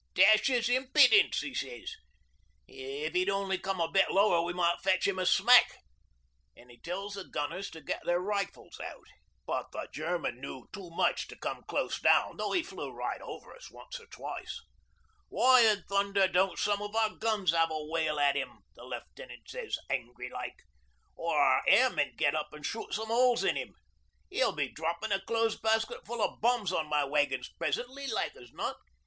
'"Dash 'is impidence," he sez. "If he'd only come a bit lower we might fetch him a smack"; an' he tells the gunners to get their rifles out. But the German knew too much to come close down though he flew right over us once or twice. '"Why in thunder don't some of our guns have a whale at 'im,'" the Left'nant says angry like, "'or our airmen get up an' shoot some holes in 'im. He'll be droppin' a clothes basketful o' bombs on my wagons presently, like as not.